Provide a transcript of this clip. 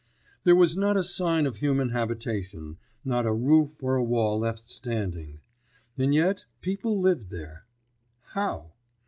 There was not a sign of human habitation, not a roof or a wall left standing; and yet people lived there. How?